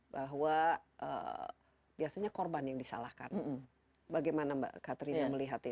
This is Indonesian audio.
bahwa biasanya korban yang disalahkan bagaimana mbak katrina melihatnya